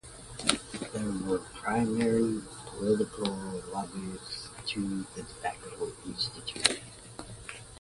They were the primary political lobbyists to the Tobacco Institute.